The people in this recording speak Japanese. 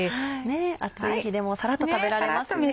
暑い日でもサラっと食べられますね。